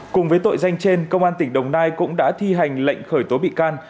cùng với tội danh trên công an tỉnh đồng nai cũng đã thi hành lệnh khởi tố bị can